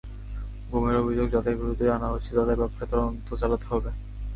গুমের অভিযোগ যাদের বিরুদ্ধে আনা হচ্ছে, তাদের ব্যাপারে তদন্ত চালাতে হবে।